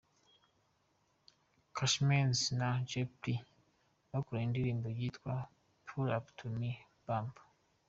Konshens na J Capri bakoranye indirimbo yitwa Pull Up To Mi Bumper